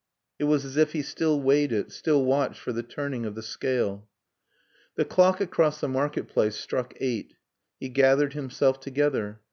It was as if he still weighed it, still watched for the turning of the scale. The clock across the market place struck eight. He gathered himself together.